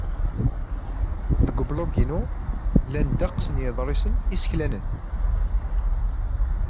Deg ublug-inu, llan ddeqs n yiḍrisen iseklanen.